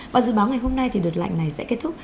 và dự báo ngày hôm nay thì đợt lạnh này sẽ kết thúc